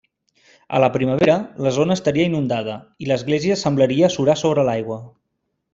A la primavera, la zona estaria inundada, i l'església semblaria surar sobre l'aigua.